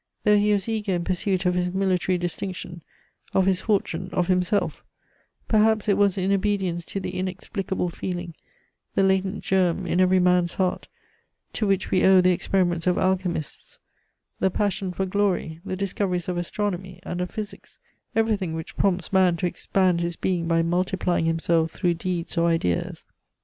Though he was eager in pursuit of his military distinction, of his fortune, of himself, perhaps it was in obedience to the inexplicable feeling, the latent germ in every man's heart, to which we owe the experiments of alchemists, the passion for glory, the discoveries of astronomy and of physics, everything which prompts man to expand his being by multiplying himself through deeds or ideas.